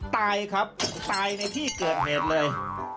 ตายครับตายในที่เกิดเหตุเลย